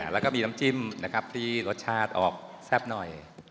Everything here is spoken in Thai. และมีน้ำจิ้มออกแซ่บหน่อย